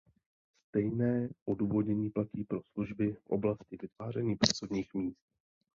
Stejné odůvodnění platí pro služby v oblasti vytváření pracovních míst.